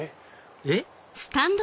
えっ？